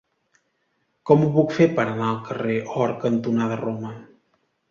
Com ho puc fer per anar al carrer Or cantonada Roma?